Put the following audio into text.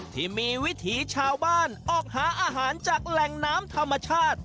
ที่มีวิถีชาวบ้านออกหาอาหารจากแหล่งน้ำธรรมชาติ